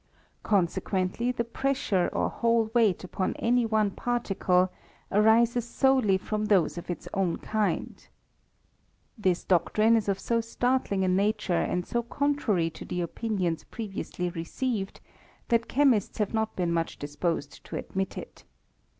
Con sequently, the pressure or whole weight upon any one particle arises solely from those of its own kind. This doctrine is of so startling a nature and so contrary to the opinions previously received, that chemists have not been much disposed to admit it.